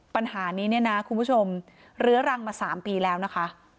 ปัญหานี้เนี่ยนะคุณผู้ชมเรื้อรังมา๓ปีแล้วนะคะ